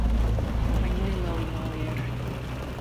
Mae 'nwylo i'n oer.